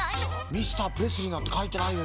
「ミスタープレスリー」なんてかいてないよ。